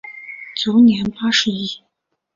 卒年八十一。